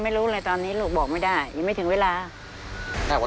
แบบนี้มันทรมานทั้งขาดน่ะลูก